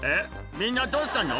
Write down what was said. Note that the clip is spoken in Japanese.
みんなどうしたの？